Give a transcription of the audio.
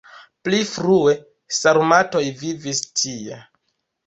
Pli frue sarmatoj vivis tie.